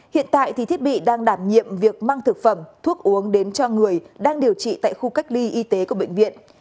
hiện tại thì thiết bị đang đảm nhiệm việc mang thực phẩm thuốc uống đến cho người đang điều trị tại khu cách ly y tế của bệnh viện